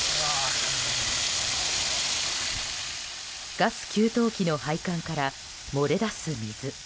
ガス給湯器の配管から漏れ出す水。